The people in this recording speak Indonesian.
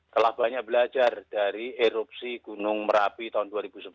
telah banyak belajar dari erupsi gunung merapi tahun dua ribu sebelas